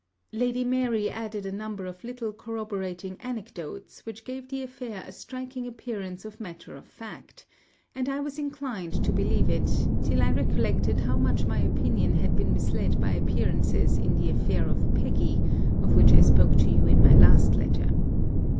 Lady Mary added a number of little corroborating anecdotes, which gave the affair a striking appearance of matter of fact; and I was inclined to believe it, till I recollected how much my opinion had been misled by appearances in the affair of Peggy, of which I spoke to you in my last letter.